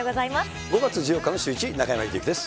５月１４日のシューイチ、中山秀征です。